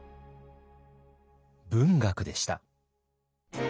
文学でした。